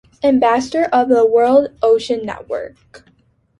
Ambassador of the World Ocean Network.